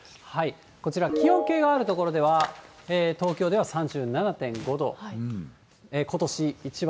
こちら、気温計がある所では東京では３７．５度、ことし一番。